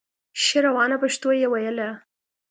ښه روانه پښتو یې ویله